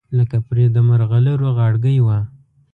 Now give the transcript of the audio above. لکه پرې د مرغلرو غاړګۍ وه